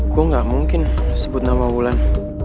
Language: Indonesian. gua nggak mungkin disebut nama wulan